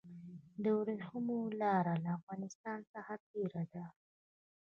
د ورېښمو لاره له افغانستان څخه تیریده